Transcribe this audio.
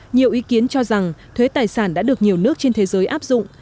nhiều ý kiến cho rằng thuế tài sản đã được nhiều nước trên thế giới áp dụng